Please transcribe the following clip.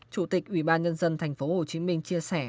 chủ tịch ủy ban nhân dân thành phố hồ chí minh chia sẻ